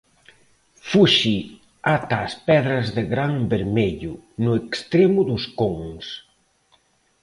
Fuxe ata as pedras de gran vermello, no extremo dos cons.